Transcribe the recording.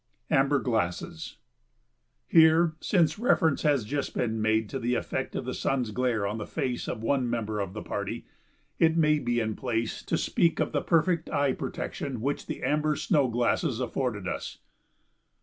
[Sidenote: Amber Glasses] Here, since reference has just been made to the effect of the sun's glare on the face of one member of the party, it may be in place to speak of the perfect eye protection which the amber snow glasses afforded us.